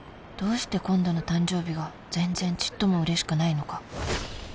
どうして今度の誕生日が全然ちっともうれしくないのか